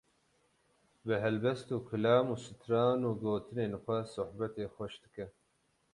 bi helbest û kilam û stran û gotinên xwe sohbetê xweş dike.